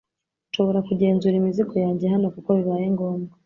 Nshobora kugenzura imizigo yanjye hano kuko bibaye ngombwa